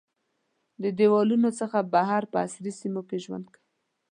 د دیوالونو څخه بهر په عصري سیمو کې ژوند کوي.